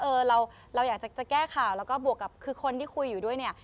เราเราอยากจะแก้ข่าวแล้วก็บวกกับคือคนที่คุยอยู่ด้วยเนี่ย